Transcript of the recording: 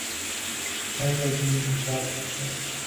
چائے کا جی نہیں چاہ رہا تھا۔